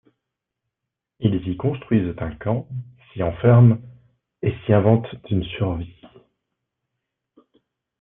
Ils y construisent un camp, s’y enferment et s’y inventent une survie.